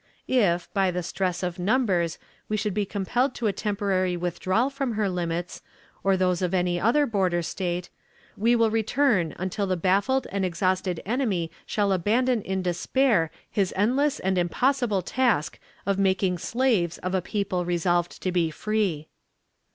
"If, by the stress of numbers, we should be compelled to a temporary withdrawal from her limits or those of any other border State, we will return until the baffled and exhausted enemy shall abandon in despair his endless and impossible task of making slaves of a people resolved to be free.